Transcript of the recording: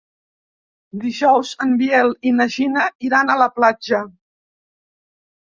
Dijous en Biel i na Gina iran a la platja.